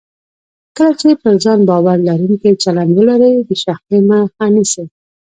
کله چې پر ځان باور لرونکی چلند ولرئ، د شخړې مخه نیسئ.